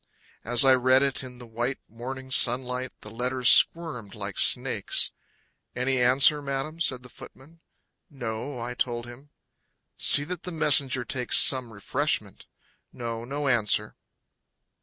As I read it in the white morning sunlight. The letters squirmed like snakes. "Any answer, Madam," said my footman. "No," I told him. "See that the messenger takes some refreshment. No, no answer."